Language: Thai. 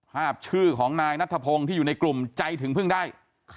ภาพชื่อของนายนัทพงศ์ที่อยู่ในกลุ่มใจถึงเพิ่งได้